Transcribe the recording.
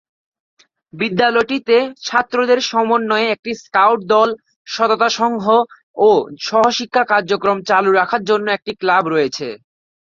বিদ্যালয়টিতে ছাত্রদের সমন্বয়ে একটি স্কাউট দল, সততা সংঘ ও সহশিক্ষা কার্যক্রম চালু রাখার জন্য একটি ক্লাব রয়েছে।